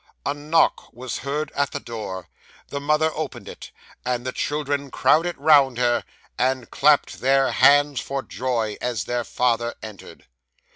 A knock was heard at the door; the mother opened it, and the children crowded round her, and clapped their hands for joy, as their father entered.